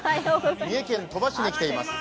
三重県鳥羽市に来ています。